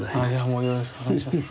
もうよろしくお願いします。